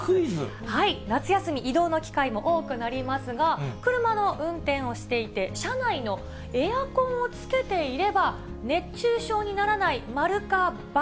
夏休み、移動の機会も多くなりますが、車の運転をしていて、車内のエアコンをつけていれば、熱中症にならない、〇か×か。